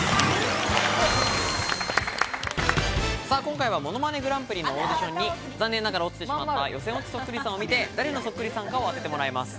今回は『ものまねグランプリ』のオーディションに残念ながら落ちてしまった予選落ちそっくりさんを見て、誰のそっくりさんかを当ててもらいます。